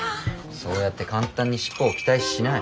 そうやって簡単に尻尾を期待しない。